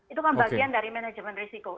itu kan bagian dari manajemen risiko